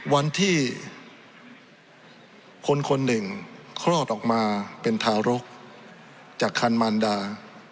วันที่คนคนหนึ่งคลอดออกมาเป็นทารกจากคันมารดา